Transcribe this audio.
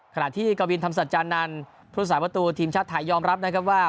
ขณะที่กะวินทำสัจจานานภูมิสายประตูทีมชาติไทยยอมรับนะครับว่า